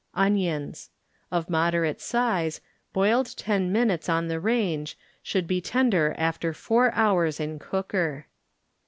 Of moderate size, boiled ten minutes on the range, should be tender after four hours in cooker.